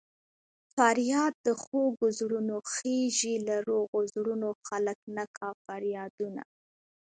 فریاد د خوږو زړونو خېژي له روغو زړونو خلک نه کا فریادونه